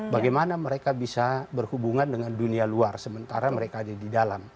bagaimana mereka bisa berhubungan dengan dunia luar sementara mereka ada di dalam